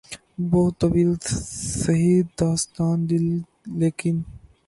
بہت طویل سہی داستانِ دل ، لیکن